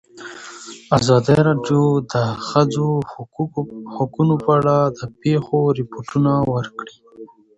ازادي راډیو د د ښځو حقونه په اړه د پېښو رپوټونه ورکړي.